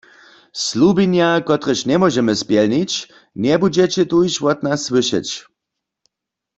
Slubjenja, kotrež njemóžemy spjelnić, njebudźeće tuž wot nas słyšeć.